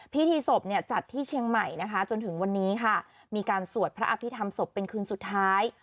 พิธีศพเนี่ยจัดที่เชียงใหม่นะคะจนถึงวันนี้ค่ะมีการสวดพระอภิษฐรรมศพเป็นคืนสุดท้าย